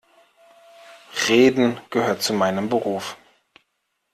Reden gehört zu meinem Beruf.